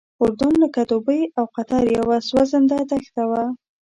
اردن لکه دوبۍ او قطر یوه سوځنده دښته وه.